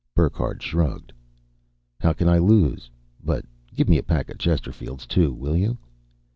Burckhardt shrugged. "How can I lose? But give me a pack of Chesterfields, too, will you?"